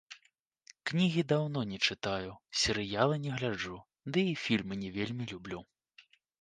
Кнігі даўно не чытаю, серыялы не гляджу, ды і фільмы не вельмі люблю.